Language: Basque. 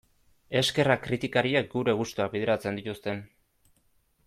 Eskerrak kritikariek gure gustuak bideratzen dituzten...